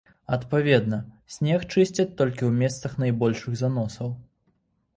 Адпаведна, снег чысцяць толькі ў месцах найбольшых заносаў.